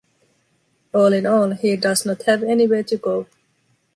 All in all, he does not have anywhere to go.